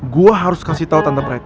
gue harus kasih tau tante pretty